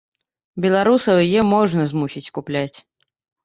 Беларусаў яе можна змусіць купляць.